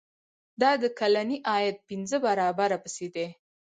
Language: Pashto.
دا د کلني عاید پنځه برابره پیسې دي.